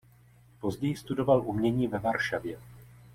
Později studoval umění ve Varšavě.